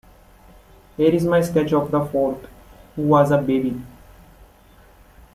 Here is my sketch of the fourth, who was a baby.